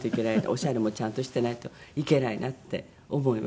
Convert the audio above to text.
オシャレもちゃんとしてないといけないなって思います。